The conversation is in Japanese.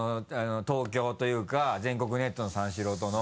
東京というか全国ネットの三四郎との。